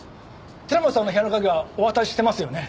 寺本さんの部屋の鍵はお渡ししてますよね？